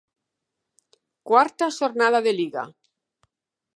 Cuarta xornada de Liga.